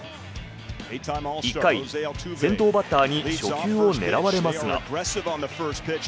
１回、先頭バッターに初球を狙われますが。